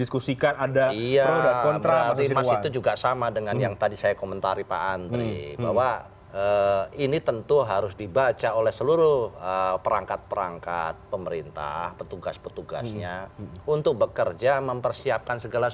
kami akan segera kembali